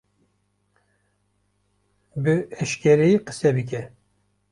Bi eşkereyî qise bike!